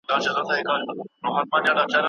چې ماتېده...